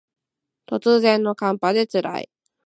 突然の寒波で辛い